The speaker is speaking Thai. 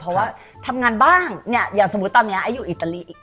เพราะว่าทำงานบ้างเนี่ยอย่างสมมุติตอนนี้อยู่อิตาลีอีก